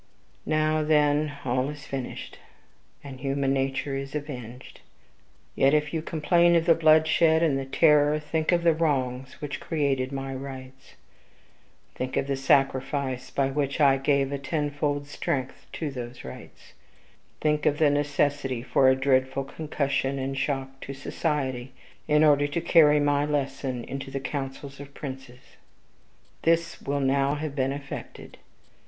"Now, then, all is finished, and human nature is avenged. Yet, if you complain of the bloodshed and the terror, think of the wrongs which created my rights; think of the sacrifice by which I gave a tenfold strength to those rights; think of the necessity for a dreadful concussion and shock to society, in order to carry my lesson into the councils of princes. "This will now have been effected.